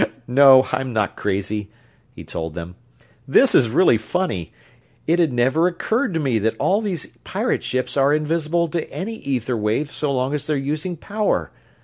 "No, I'm not crazy," he told them. "This is really funny; it had never occurred to me that all these pirate ships are invisible to any ether wave as long as they're using power.